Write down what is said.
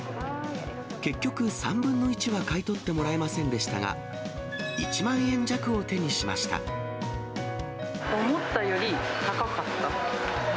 結局、３分の１は買い取ってもらえませんでしたが、１万円弱を手にしま思ったより高かった。